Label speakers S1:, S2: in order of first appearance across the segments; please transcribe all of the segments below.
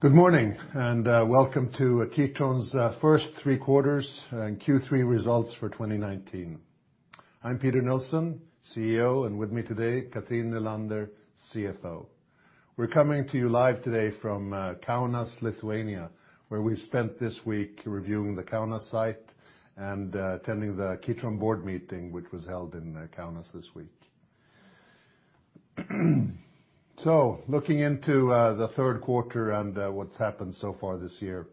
S1: Good morning, and welcome to Kitron's first three quarters and Q3 results for 2019. I'm Peter Nilsson, CEO, and with me today, Cathrin Nylander, CFO. We're coming to you live today from Kaunas, Lithuania, where we spent this week reviewing the Kaunas site and attending the Kitron board meeting, which was held in Kaunas this week. So, looking into the Q3 and what's happened so far this year.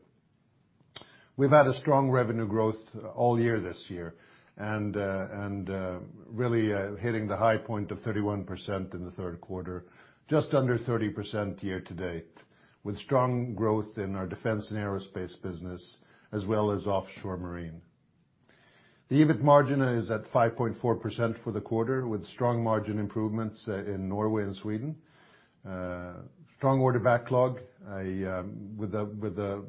S1: We've had a strong revenue growth all year this year and the, and the really hitting the high point of 31% in the Q3, just under 30% year to date with strong growth in our defense and aerospace business as well as offshore marine. The EBIT margin is at 5.4% for the quarter with strong margin improvements in Norway and Sweden. Strong order backlog, with the, with the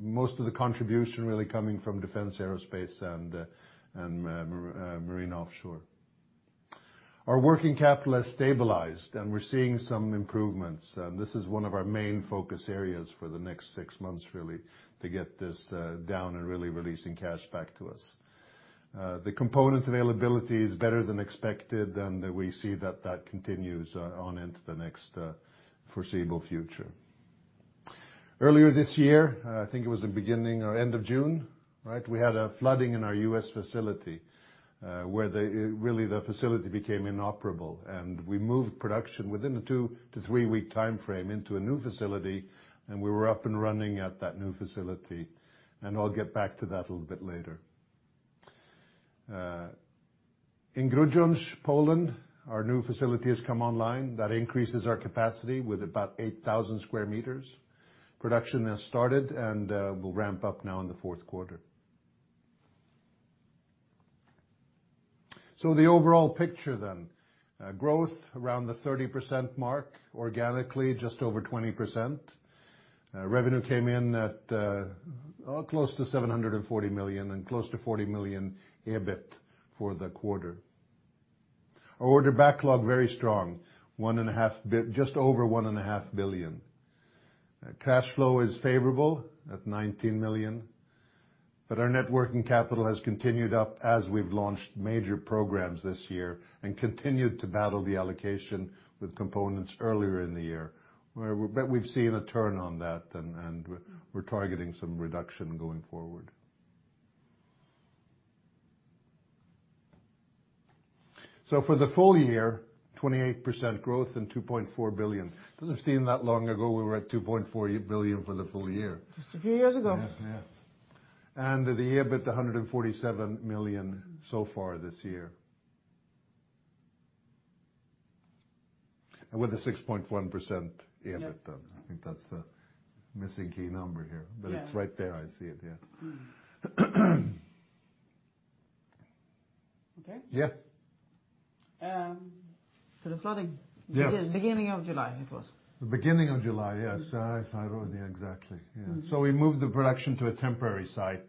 S1: most of the contribution really coming from defense, aerospace, and, and, and marine offshore. Our working capital has stabilized, and we're seeing some improvements. This is one of our main focus areas for the next six months really to get this down and really releasing cash back to us. The component availability is better than expected, and we see that that continues on into the next foreseeable future. Earlier this year, I think it was the beginning or end of June, right, we had a flooding in our U.S. facility, where the really the facility became inoperable. And we moved production within a two to three-week timeframe into a new facility, and we were up and running at that new facility. I'll get back to that a little bit later. In Grudziądz, Poland, our new facility has come online. That increases our capacity with about 8,000 square meters. Production has started and will ramp up now in the Q4. So the overall picture then, growth around the 30% mark, organically just over 20%. Revenue came in at close to 740 million and close to 40 million EBIT for the quarter. Our order backlog very strong, just over 1.5 billion. Cash flow is favorable at 19 million. But our net working capital has continued up as we've launched major programs this year and continued to battle the allocation with components earlier in the year where we're... We've seen a turn on that and, and we're targeting some reduction going forward. So for the full year, 28% growth and 2.4 billion. Doesn't seem that long ago we were at 2.4 billion for the full year.
S2: Just a few years ago.
S1: Yeah, yeah. The EBIT 147 million so far this year. With a 6.1%.
S2: Yeah...
S1: I think that's the missing key number here.
S2: Yeah.
S1: It's right there. I see it, yeah.
S2: Okay.
S1: Yeah.
S2: To the flooding.
S1: Yes.
S2: The beginning of July, it was.
S1: The beginning of July, yes. I don't know exactly. Yeah.
S2: Mm-hmm.
S1: So we moved the production to a temporary site.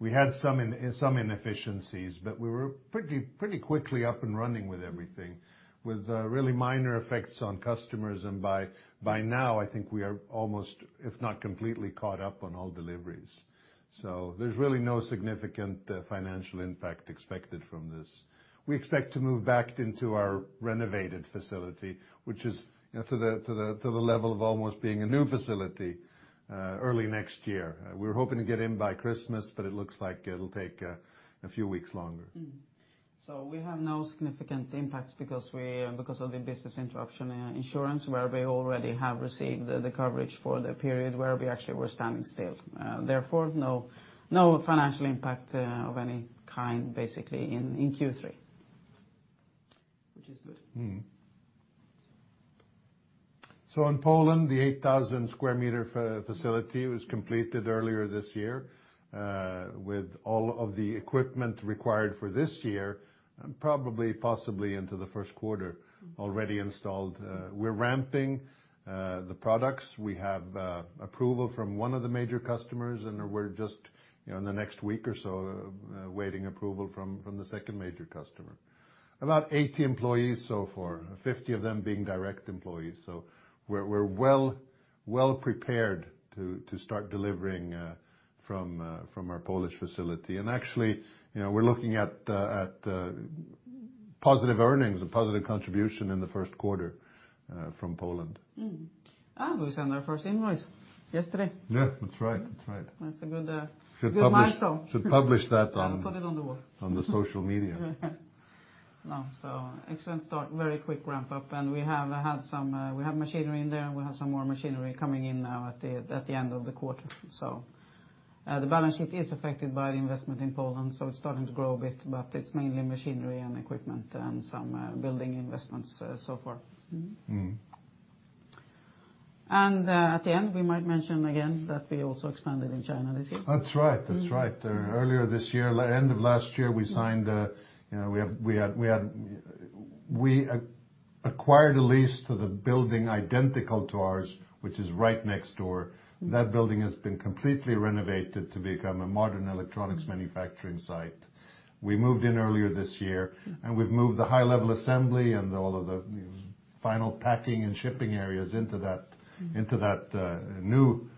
S1: We had some inefficiencies, but we were pretty, pretty quickly up and running with everything, with really minor effects on customers. By now, I think we are almost, if not completely caught up on all deliveries. So there's really no significant financial impact expected from this. We expect to move back into our renovated facility, which is, you know, to the, to the, to the level of almost being a new facility, early next year. We're hoping to get in by Christmas, but it looks like it'll take a few weeks longer.
S2: So we have no significant impacts because of the business interruption insurance, where we already have received the coverage for the period where we actually were standing still. And therefore, no financial impact of any kind basically in Q3, which is good.
S1: So in Poland, the 8,000 square meter facility was completed earlier this year, with all of the equipment required for this year and probably possibly into the Q1 already installed. We're ramping the products. We have approval from one of the major customers, we're just, you know, in the next week or so, waiting approval from the second major customer. About 80 employees so far, 50 of them being direct employees. So we're well, well prepared to start delivering from, from our Polish facility. And actually, you know, we're looking at, at the positive earnings and positive contribution in the Q1 from Poland.
S2: We sent our first invoice yesterday.
S1: Yeah, that's right.
S2: That's a good milestone.
S1: Should publish that.
S2: Put it on the wall.
S1: On the social media.
S2: Yeah. No. So, excellent start, very quick ramp up. And we have had some, we have machinery in there, and we have some more machinery coming in now at the end of the quarter. So, the balance sheet is affected by the investment in Poland, so it's starting to grow a bit. It's mainly machinery and equipment and some building investments so far.
S1: Mm-hmm.
S2: And at the end, we might mention again that we also expanded in China this year.
S1: That's right. That's right.
S2: Mm-hmm.
S1: Earlier this year, end of last year, we signed, we had, we had, we had. We acquire the lease to the building identical to ours, which is right next door. That building has been completely renovated to become a modern electronics manufacturing site. We moved in earlier this year, and we've moved the high-level assembly and all of the, you know, final packing and shipping areas into that, into that new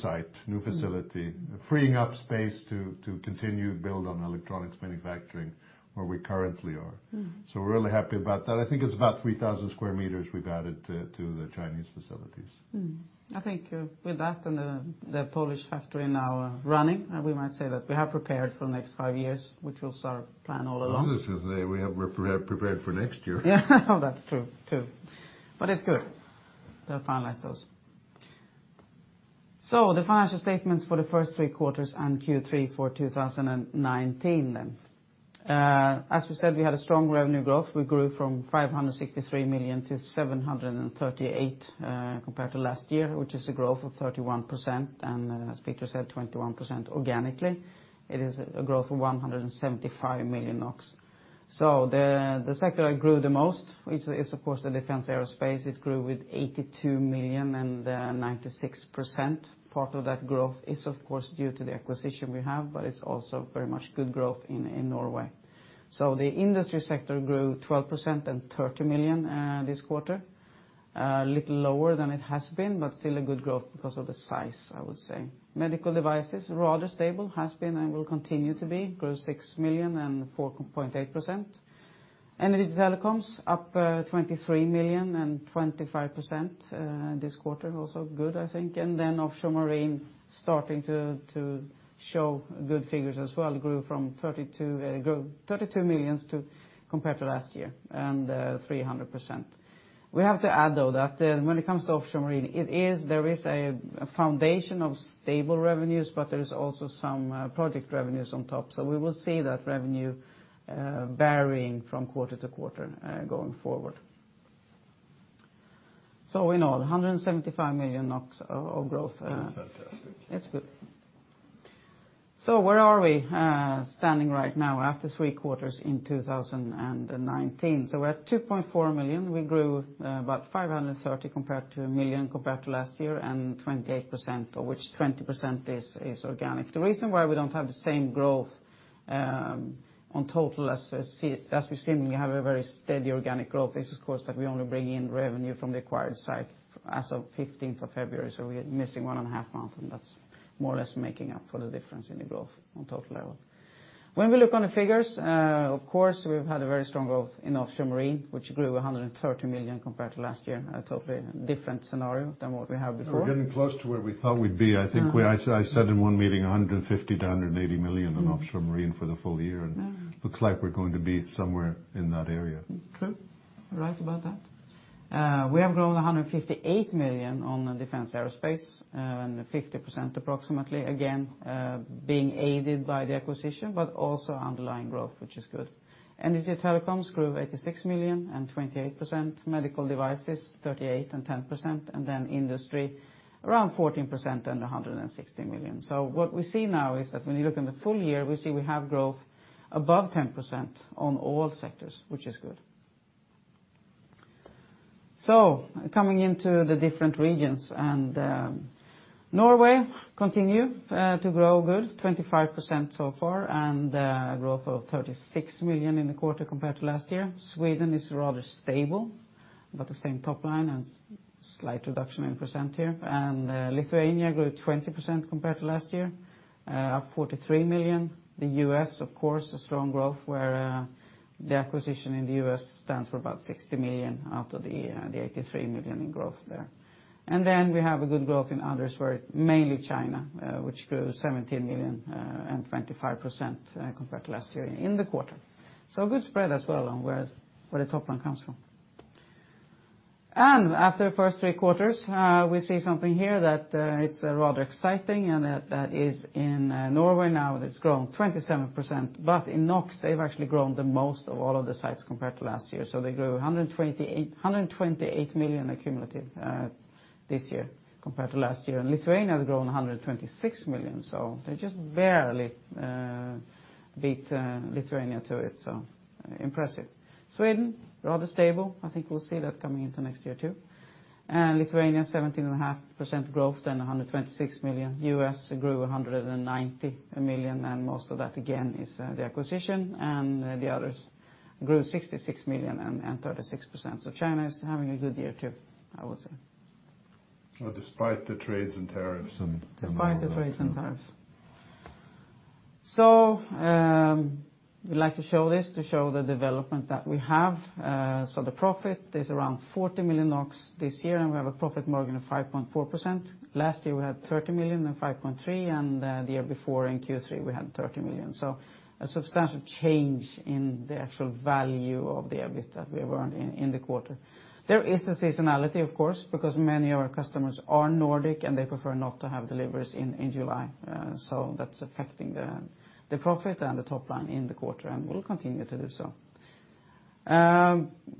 S1: site, new facility.
S2: Mm.
S1: Freeing up space to continue to build on electronics manufacturing where we currently are.
S2: Mm.
S1: So we're really happy about that. I think it's about 3,000 square meters we've added to the Chinese facilities.
S2: I think with that, the Polish factory now running, we might say that we have prepared for the next five years, which we'll start plan all along.
S1: At least we say, we're pre-prepared for next year.
S2: Yeah. No, that's true too, but it's good to finalize those. So the financial statements for the first three quarters and Q3 for 2019. As we said, we had a strong revenue growth. We grew from 563 million to 738 million compared to last year, which is a growth of 31%, and as Peter said, 21% organically. It is a growth of 175 million NOK. So the sector that grew the most, which is, of course, the defense aerospace, it grew with 82 million and 96%. Part of that growth is, of course, due to the acquisition we have, but it's also very much good growth in Norway. So the industry sector grew 12% and 30 million this quarter, a little lower than it has been, but still a good growth because of the size, I would say. Medical devices, rather stable, has been and will continue to be. Grew 6 million and 4.8%. Energy and telecoms up 23 million and 25% this quarter, also good, I think. And then offshore marine starting to show good figures as well. Grew from 32 million, grew 32 million to, compared to last year, and 300%. We have to add, though, that when it comes to offshore marine, it is, there is a foundation of stable revenues, but there is also some project revenues on top. So we will see that revenue varying from quarter to quarter going forward. So in all, 175 million NOK of growth.
S1: Fantastic.
S2: It's good. So, where are we standing right now after three quarters in 2019? So we're at 2.4 million. We grew about 530 compared to 1 million compared to last year, and 28%, of which 20% is organic. The reason why we don't have the same growth on total as we seem, we have a very steady organic growth is, of course, that we only bring in revenue from the acquired site as of February 15th, so we're missing one and a half month, and that's more or less making up for the difference in the growth on total level. When we look on the figures, of course, we've had a very strong growth in offshore marine, which grew 130 million compared to last year, a totally different scenario than what we had before.
S1: We're getting close to where we thought we'd be.
S2: Mm.
S1: I think I said in one meeting 150 million-180 million.
S2: Mm.
S1: In offshore marine for the full year.
S2: Yeah.
S1: Looks like we're going to be somewhere in that area.
S2: True. Right about that. We have grown 158 million on defense aerospace, and 50% approximately, again, being aided by the acquisition, but also underlying growth, which is good. Energy and telecoms grew 86 million and 28%. Medical devices, 38 million and 10%, and then industry, around 14% and 160 million. So what we see now is that when you look in the full year, we see we have growth above 10% on all sectors, which is good. So, coming into the different regions, and Norway continue to grow good, 25% so far, and a growth of 36 million in the quarter compared to last year. Sweden is rather stable, about the same top line and slight reduction in percent here. And Lithuania grew 20% compared to last year, up 43 million. The U.S., of course, a strong growth where the acquisition in the U.S. stands for about 60 million out of the 83 million in growth there. And then we have a good growth in others where mainly China, which grew 17 million and 25%, compared to last year in the quarter. So a good spread as well on where the top line comes from. And, after the first three quarters, we see something here that it's rather exciting, and that is in Norway now that's grown 27%, but in NOK, they've actually grown the most of all of the sites compared to last year. So they grew 128 million accumulative this year compared to last year, and Lithuania has grown 126 million. So they just barely beat Lithuania to it, so impressive. Sweden, rather stable. I think we'll see that coming into next year too. And Lithuania, 17.5% growth and 126 million. U.S. grew 190 million, most of that, again, is the acquisition, the others grew 66 million and 36%. China is having a good year too, I would say.
S1: Well, despite the trades and tariffs and all that.
S2: Despite the trades and tariffs. So, we like to show this to show the development that we have. So the profit is around 40 million NOK this year, and we have a profit margin of 5.4%. Last year, we had 30 million and 5.3%, the year before in Q3 we had 30 million. So, a substantial change in the actual value of the EBIT that we earned in the quarter. There is a seasonality, of course, because many of our customers are Nordic, and they prefer not to have deliveries in July, so that's affecting the profit and the top line in the quarter and will continue to do so.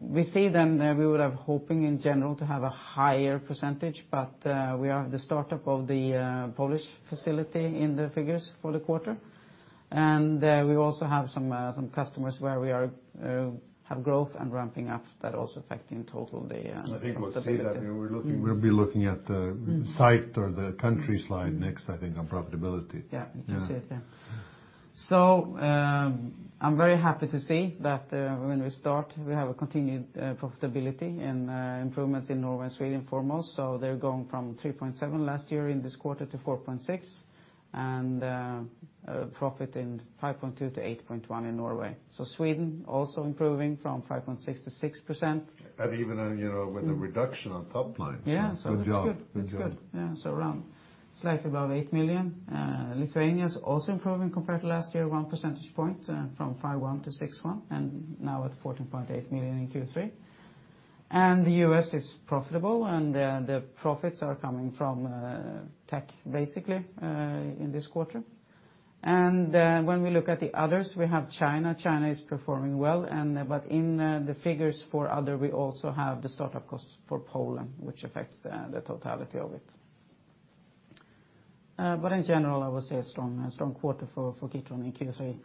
S2: We see, we would have hoping in general to have a higher percentage. But we are the startup of the Polish facility in the figures for the quarter. And qe also have some customers where we are have growth and ramping up that also affecting total the profitability.
S1: I think we'll see that. We'll be looking at the site or the country slide next, I think, on profitability.
S2: Yeah.
S1: Yeah.
S2: You can see it. So, I'm very happy to see that when we start we have a continued profitability and improvements in Norway and Sweden foremost. So they're going from 3.7% last year in this quarter to 4.6%. And a profit in 5.2% to 8.1% in Norway. So Sweden also improving from 5.6%-6%.
S1: And even, you know, with a reduction on top line.
S2: Yeah.
S1: Good job. Good job.
S2: It's good. It's good. Yeah, so around slightly above 8 million. Lithuania's also improving compared to last year one percentage point, from 5.1 to 6.1, and now at 14.8 million in Q3. And the U.S. is profitable, and the profits are coming from tech basically in this quarter. And when we look at the others, we have China. China is performing well and, but in the figures for other we also have the startup costs for Poland, which affects the totality of it. But in general I would say a strong quarter for Kitron in Q3.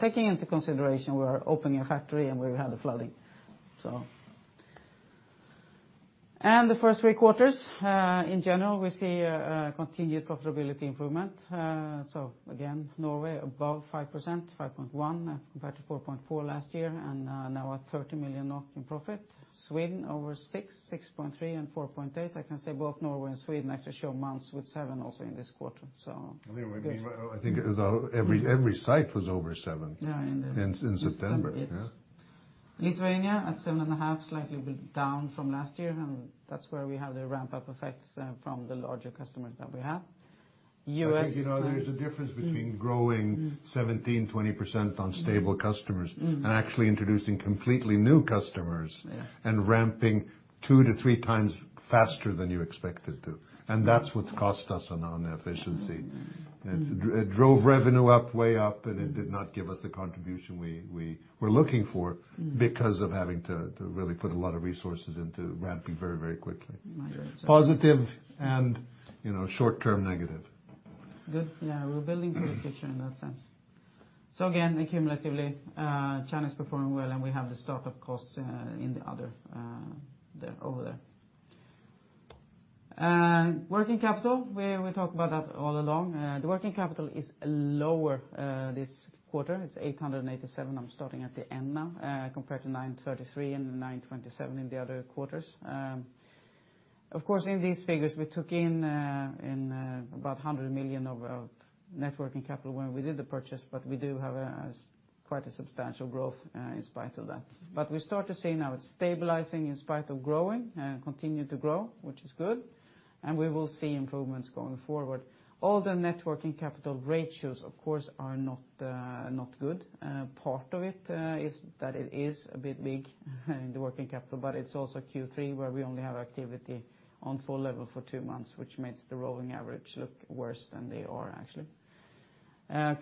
S2: Taking into consideration we are opening a factory and we had the flooding, so. And the first three quarters, in general we see a continued profitability improvement. So again, Norway above 5%, 5.1% compared to 4.4% last year and now at 30 million NOK in profit. Sweden over 6%, 6.3% and 4.8%. I can say both Norway and Sweden actually show months with 7% also in this quarter. Good.
S1: I think every site was over.
S2: Yeah.
S1: In September, yeah.
S2: Lithuania at 7.5, slightly down from last year, and that's where we have the ramp-up effects from the larger customers that we have.
S1: I think, you know, there's a difference between growing 17%, 20% on stable customers.
S2: Mm.
S1: And actually introducing completely new customers.
S2: Yeah.
S1: And ramping 2-3x faster than you expected to, and that's what's cost us on efficiency.
S2: Mm.
S1: It's, it drove revenue up, way up, and it did not give us the contribution we, we were looking for.
S2: Mm.
S1: Beacuse of having to really put a lot of resources into ramping very quickly.
S2: Right.
S1: Positive, and, you know, short-term negative.
S2: Good. Yeah. We're building for the future in that sense. So again, accumulatively, China's performing well, and we have the startup costs in the other, there, over there. Working capital, we talk about that all along. The working capital is lower this quarter. It's 887, I'm starting at the end now, compared to 933 and 927 in the other quarters. Of course in these figures we took in about 100 million of net working capital when we did the purchase, but we do have a quite a substantial growth in spite of that. But we start to see now it's stabilizing in spite of growing, continue to grow, which is good. And we will see improvements going forward. All the net working capital ratios of course are not, not good. Part of it is that it is a bit big the working capital, but it's also Q3 where we only have activity on full level for two months, which makes the rolling average look worse than they are actually.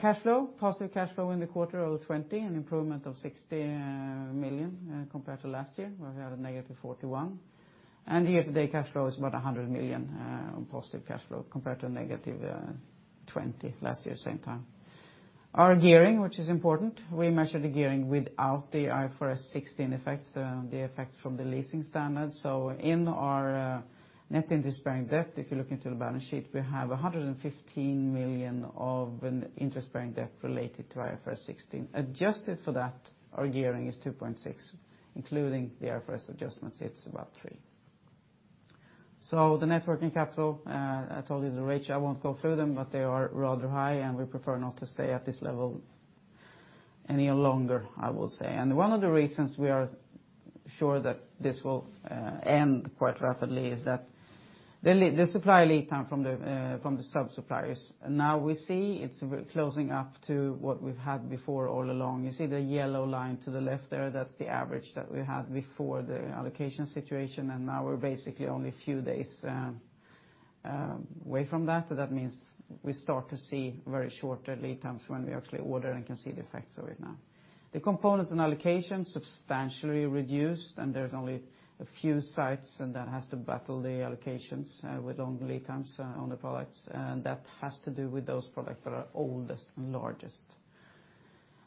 S2: Cash flow. Positive cash flow in the quarter, 20, an improvement of 60 million compared to last year where we had a negative 41. Year-to-date cash flow is about 100 million positive cash flow compared to negative 20 last year same time. Our gearing, which is important, we measure the gearing without the IFRS 16 effects, the effects from the leasing standard. So in our net interest bearing debt, if you look into the balance sheet, we have 115 million of an interest bearing debt related to IFRS 16. Adjusted for that, our gearing is 2.6. Including the IFRS adjustments it's about three. So the net working capital, I told you the ratio, I won't go through them, but they are rather high and we prefer not to stay at this level any longer, I will say. And one of the reasons we are sure that this will end quite rapidly is that the lead, the supply lead time from the from the sub suppliers. And now we see it's closing up to what we've had before all along. You see the yellow line to the left there, that's the average that we had before the allocation situation. Now we're basically only a few days away from that. So that means we start to see very shorter lead times when we actually order and can see the effects of it now. The components and allocations substantially reduced. And there's only a few sites and that has to battle the allocations with long lead times on the products. And that has to do with those products that are oldest and largest.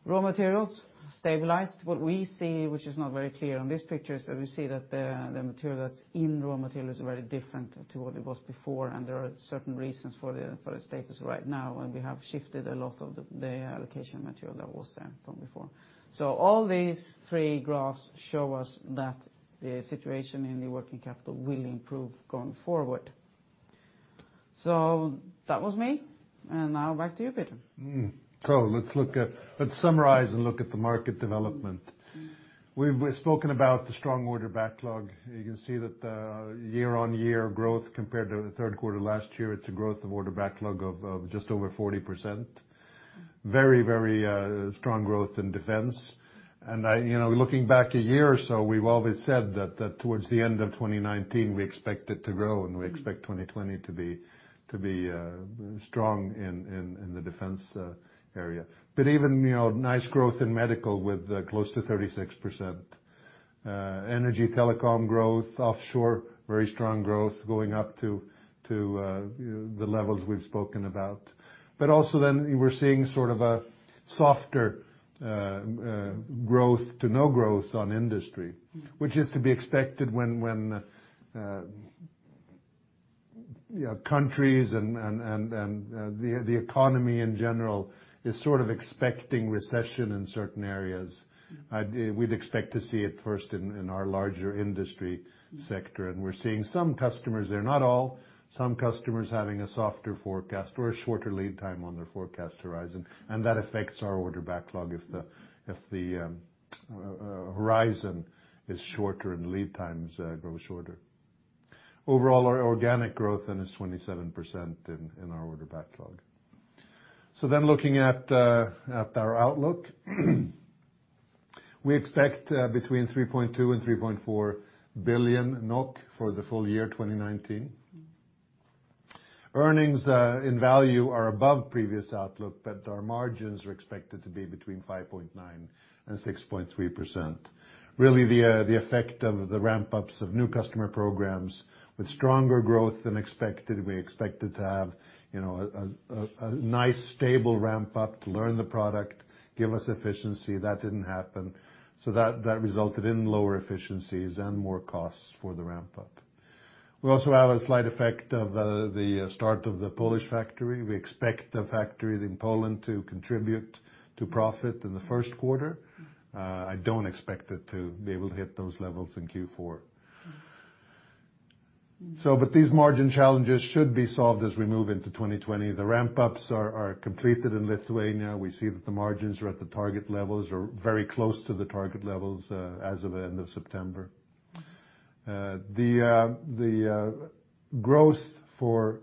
S2: Raw materials stabilized. What we see, which is not very clear on this picture, so we see that the material that's in raw materials are very different to what it was before. And there are certain reasons for the status right now, and we have shifted a lot of the allocation material that was there from before. So all these three graphs show us that the situation in the working capital will improve going forward. So that was me, and now back to you, Peter.
S1: Let's look at, let's summarize and look at the market development. We've spoken about the strong order backlog. You can see that year-on-year growth compared to the Q3 last year, it's a growth of order backlog of just over 40%. Very, very strong growth in defense. And I, you know, looking back one year or so, we've always said that towards the end of 2019 we expect it to grow and we expect 2020 to be, to be strong in, in, in the defense area. Even, you know, nice growth in medical with close to 36%. Energy telecom growth, offshore very strong growth going up to, you know, the levels we've spoken about. But also then we're seeing sort of a softer growth to no growth on industry.
S2: Mm.
S1: Which is to be expected when, when, when, yeah, countries and, and, and the economy in general is sort of expecting recession in certain areas. We'd expect to see it first in our larger industry sector. We're seeing some customers there, not all, some customers having a softer forecast or a shorter lead time on their forecast horizon. And that affects our order backlog if the horizon is shorter and lead times grow shorter. Overall, our organic growth then is 27% in our order backlog. So then looking at our outlook. We expect between 3.2 and 3.4 billion NOK for the full year 2019. Earnings in value are above previous outlook, but our margins are expected to be between 5.9% and 6.3%. Really the effect of the ramp-ups of new customer programs with stronger growth than expected, we expected to have, you know, a, a, a nice stable ramp-up to learn the product, give us efficiency. That didn't happen. So that resulted in lower efficiencies and more costs for the ramp-up. We also have a slight effect of the start of the Polish factory. We expect the factory in Poland to contribute to profit in the Q1. I don't expect it to be able to hit those levels in Q4. So but these margin challenges should be solved as we move into 2020. The ramp-ups are completed in Lithuania. We see that the margins are at the target levels or very close to the target levels as of the end of September. The, the, the growth for...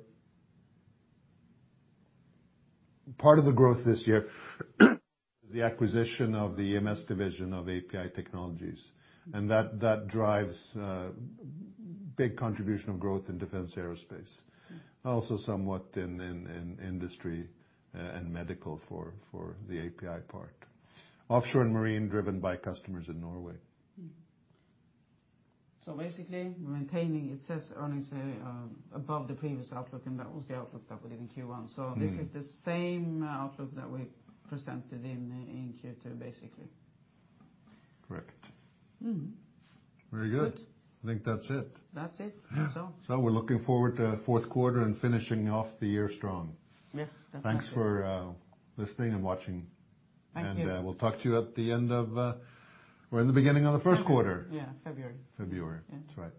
S1: Part of the growth this year, the acquisition of the EMS division of API Technologies, and that, that drives big contribution of growth in defense aerospace. Also somewhat in Industry and Medical for, for the API part. Offshore and Marine driven by customers in Norway.
S2: So basically maintaining it says earnings, above the previous outlook, and that was the outlook that was in Q1.
S1: Mm-hmm.
S2: This is the same outlook that we presented in, in Q2, basically.
S1: Correct.
S2: Mm-hmm.
S1: Very good. I think that's it.
S2: That's it. That's all.
S1: So we're looking forward to Q4 and finishing off the year strong.
S2: Yes, definitely.
S1: Thanks for listening and watching.
S2: Thank you.
S1: We'll talk to you at the end of, or in the beginning of the Q1.
S2: February. Yeah, February.
S1: February. That's right.